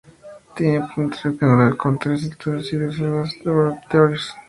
Tiene planta rectangular con tres alturas y dos alas de laboratorios.